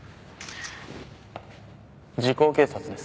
『時効警察』です。